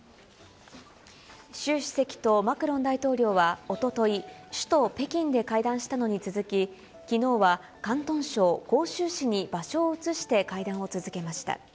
習主席とマクロン大統領はおととい、首都、北京で会談したのに続き、きのうは広東省広州市に場所を移して会談を続けました。